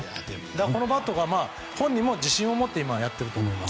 このバットで本人も自信を持ってやっていると思います。